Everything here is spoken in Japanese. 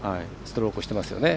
いいストロークをしていますよね。